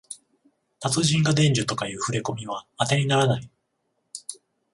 達人が伝授とかいうふれこみはあてにならない